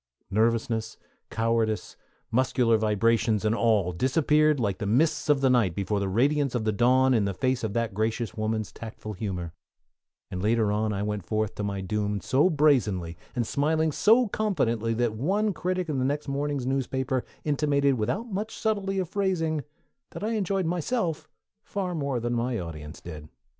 Nervousness, cowardice, muscular vibrations, and all disappeared like the mists of the night before the radiance of the dawn in the face of that gracious woman's tactful humor, and later on I went forth to my doom so brazenly, and smiling so confidently, that one critic in the next morning's newspaper intimated without much subtlety of phrasing that I enjoyed myself far more than my audience did.